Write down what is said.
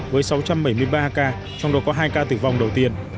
với sáu trăm bảy mươi ba ca trong đó có hai ca tử vong đầu tiên